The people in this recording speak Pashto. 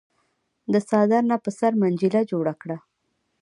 د څادر نه په سر منجيله جوړه کړه۔